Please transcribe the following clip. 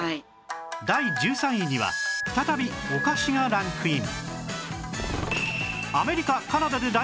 第１３位には再びお菓子がランクイン